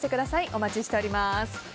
お待ちしております。